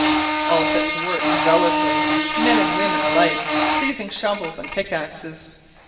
All set to work zealously, men and women alike seizing shovels and pickaxes.